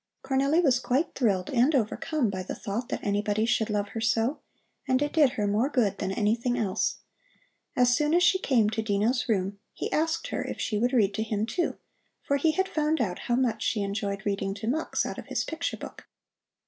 Cornelli was quite thrilled and overcome by the thought that anybody should love her so, and it did her more good than anything else. As soon as she came to Dino's room he asked her if she would read to him, too, for he had found out how much she enjoyed reading to Mux out of his picture book.